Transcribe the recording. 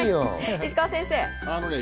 石川先生は？